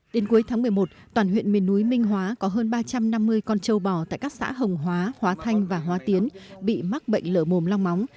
đến cuối tháng một mươi một toàn huyện miền núi minh hóa có hơn ba trăm năm mươi con trâu bò tại các xã hồng hóa hóa thanh và hóa tiến bị mắc bệnh lở mồm long móng